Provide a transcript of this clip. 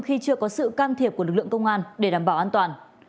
khi chưa có sự can thiệp của lực lượng công an để đảm bảo an toàn